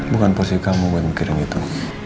bukan posisi kamu buat kirim itu